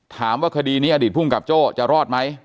ถามว่าคดีนี้อดีตภูมิกับโจ้จะรอดไหม